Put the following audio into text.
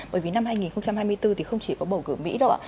bởi vì năm hai nghìn hai mươi bốn thì không chỉ có bầu cử mỹ đâu ạ